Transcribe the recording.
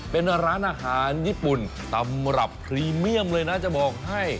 เป็นร้านอาหารญี่ปุ่นตำรับพรีเมียมเลยนะจะบอกให้